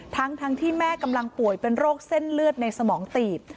ทั้งที่แม่กำลังป่วยเป็นโรคเส้นเลือดในสมองตีบ